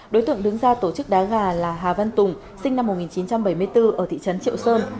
đối tượng đứng ra tổ chức đá gà là hà văn tùng sinh năm một nghìn chín trăm bảy mươi bốn ở thị trấn triệu sơn